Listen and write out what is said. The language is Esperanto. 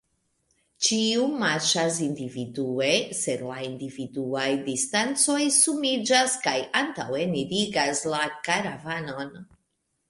Ĉiu marŝas individue, sed la individuaj distancoj sumiĝas kaj antaŭenirigas la karavanon.